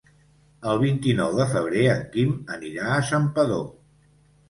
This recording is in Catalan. El vint-i-nou de febrer en Quim anirà a Santpedor.